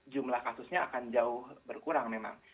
jumlah kasusnya akan jauh berkurang memang